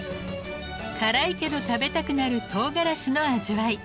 辛いけど食べたくなるとうがらしの味わい。